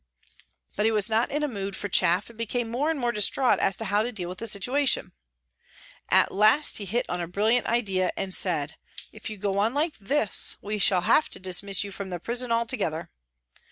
But he was not in a mood for chaff and became more and more distraught as to how to deal with the situation. At last he hit on a brilliant idea and said, " If you go on like this we shall have to dismiss you from the prison altogether."